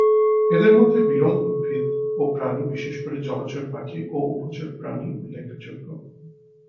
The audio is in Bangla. এদের মধ্যে বিরল উদ্ভিদ ও প্রাণী, বিশেষ করে জলচর পাখি ও উভচর প্রাণী উল্লেখযোগ্য।